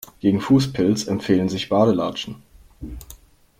Gegen Fußpilz empfehlen sich Badelatschen.